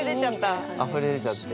あふれ出ちゃって。